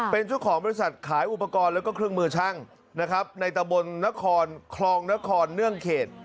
เป็นเจ้าของบริษัทขายอุปกรณ์แล้วก็เครื่องมือช่างนะครับในตะบนคลองนครเนื่องเขต